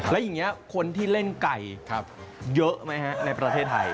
แล้วอย่างนี้คนที่เล่นไก่เยอะไหมฮะในประเทศไทย